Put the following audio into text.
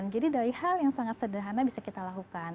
jadi dari hal yang sangat sederhana bisa kita lakukan